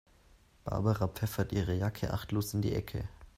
Barbara pfeffert ihre Jacke achtlos in die Ecke.